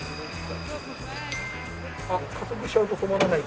あっ加速しちゃうと止まらない。